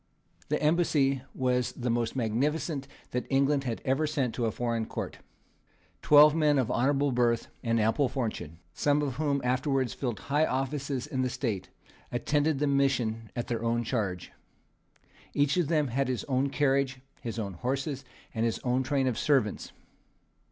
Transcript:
The embassy was the most magnificent that England had ever sent to any foreign court. Twelve men of honourable birth and ample fortune, some of whom afterwards filled high offices in the State, attended the mission at their own charge. Each of them had his own carriage, his own horses, and his own train of servants.